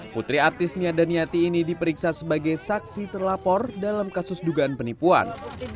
putri artis niat dan niati ini diperiksa sebagai saksi terlapor dalam kasus dugaan penipuan